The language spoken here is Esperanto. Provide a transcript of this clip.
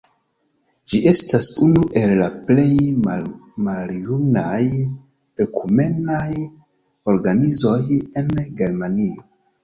Ĝi estas unu el la plej maljunaj ekumenaj organizoj en Germanio.